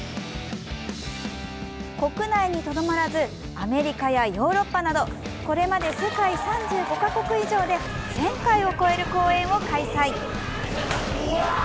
国内にとどまらずアメリカやヨーロッパなどこれまで世界３５か国以上で１０００回を超える公演を開催。